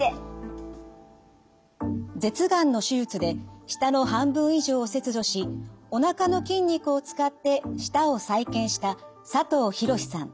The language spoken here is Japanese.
舌がんの手術で舌の半分以上を切除しおなかの筋肉を使って舌を再建した佐藤博さん。